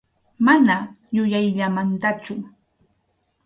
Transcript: Mana yuyayllamantachu.